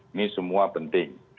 ini semua penting